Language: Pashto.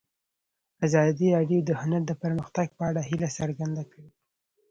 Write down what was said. ازادي راډیو د هنر د پرمختګ په اړه هیله څرګنده کړې.